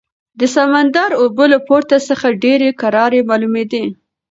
د سمندر اوبه له پورته څخه ډېرې کرارې معلومېدې.